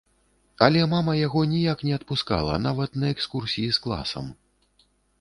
Але мама яго ніяк не адпускала нават на экскурсіі з класам.